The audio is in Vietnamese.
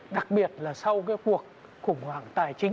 đặc biệt là sau cuộc khủng hoảng tài chính